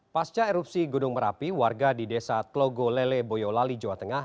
pasca erupsi gedung merapi warga di desa tlogolele boyolali jawa tengah